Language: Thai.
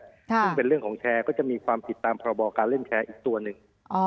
ซึ่งเป็นเรื่องของแชร์ก็จะมีความผิดตามพรบการเล่นแชร์อีกตัวหนึ่ง